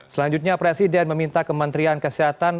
selanjutnya presiden meminta kementerian kesehatan